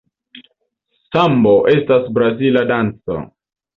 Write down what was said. Sambo estas brazila danco.